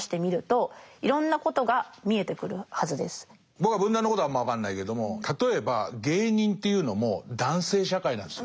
僕は文壇のことはあんま分かんないけども例えば芸人っていうのも男性社会なんですよ。